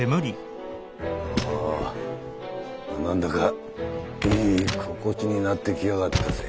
ああ何だかいい心地になってきやがったぜ。